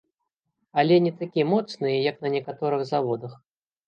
Але не такі моцны, як на некаторых заводах.